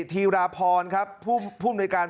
ธีราพรครับผู้บริการ